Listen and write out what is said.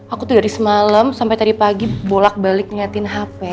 aku tuh dari semalam sampai tadi pagi bolak balik niatin hp